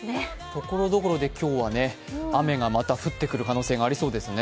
ところどころで、今日は雨がまた降ってくる可能性がありそうですね。